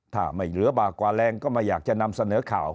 ถ้าไม่เหลือบากกว่าแรงก็ไม่อยากจะนำเสนอข่าว